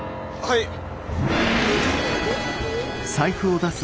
はい！